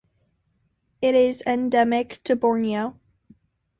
It is endemic to Borneo.